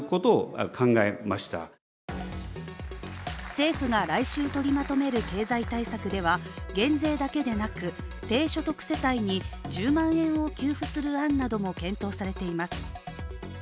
政府が来週取りまとめる経済対策では減税だけでなく低所得世帯に１０万円を給付する案なども検討されています。